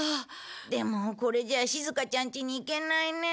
でもこれじゃあしずかちゃんちに行けないね。